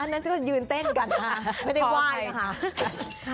อันนั้นก็ยืนเต้นกันฮะไม่ได้ไหว้ค่ะ